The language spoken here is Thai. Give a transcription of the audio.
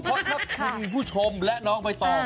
เพราะถ้าคุณผู้ชมและน้องใบตอง